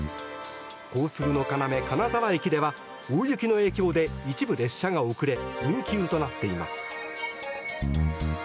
交通の要、金沢駅では大雪の影響で一部列車が遅れ運休となっています。